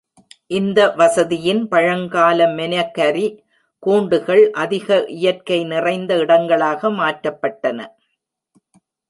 இந்த வசதியின் பழங்கால மெனகரி கூண்டுகள் அதிக இயற்கை நிறைந்த இடங்களாக மாற்றப்பட்டன.